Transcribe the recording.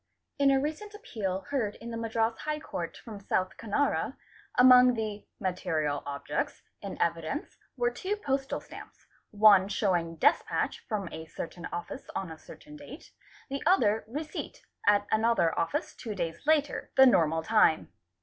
In a recent appeal heard in the Madras High Court from $8. Canara, among the "material objects'? in evidence were two postal stamps, one . showing despatch from a certain office on a certain date, the other receipt at another office two days later, the normal time.